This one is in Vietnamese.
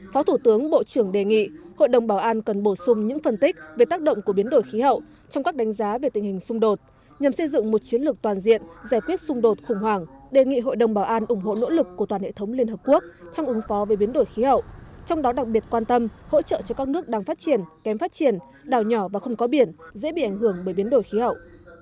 phó thủ tướng bộ trưởng đề nghị hội đồng bảo an cần bổ sung những phân tích về tác động của biến đổi khí hậu trong các đánh giá về tình hình xung đột nhằm xây dựng một chiến lược toàn diện giải quyết xung đột khủng hoảng đề nghị hội đồng bảo an ủng hộ nỗ lực của toàn hệ thống liên hợp quốc trong ứng phó về biến đổi khí hậu trong đó đặc biệt quan tâm hỗ trợ cho các nước đang phát triển kém phát triển đào nhỏ và không có biển dễ bị ảnh hưởng bởi biến đổi khí hậu